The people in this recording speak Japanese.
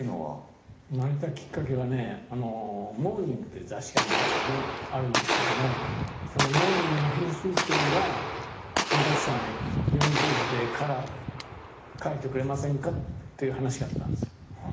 生まれたきっかけはね「モーニング」という雑誌がありましてねあるんですけどもその「モーニング」の編集長が「わたせさん４ページでカラーで描いてくれませんか？」っていう話があったんですよ。